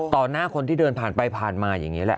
หน้าคนที่เดินผ่านไปผ่านมาอย่างนี้แหละ